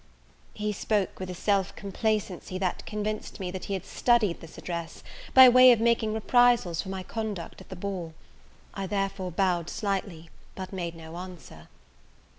He spoke with a self complacency that convinced me that he had studied this address, by way of making reprisals for my conduct at the ball; I therefore bowed slightly, but made no answer.